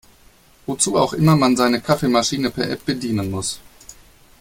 Wozu auch immer man seine Kaffeemaschine per App bedienen muss.